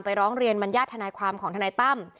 ร้องเรียนบรรยาทนายความของทนายตั้ม